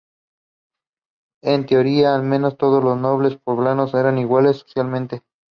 En teoría al menos, todos los nobles polacos eran iguales socialmente.